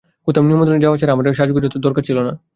কোথাও নিমন্ত্রণে যাওয়া ছাড়া আমার সাজগোজের তো দরকার ছিল না।